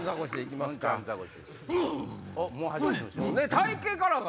体形からは。